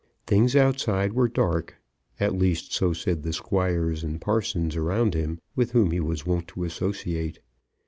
Things outside were dark, at least, so said the squires and parsons around him, with whom he was wont to associate.